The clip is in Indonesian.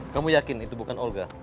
kamu yakin itu bukan orga